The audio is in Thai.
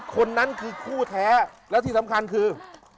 คนนั้นคือคู่แท้และที่สำคัญคือ